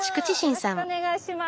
よろしくお願いします。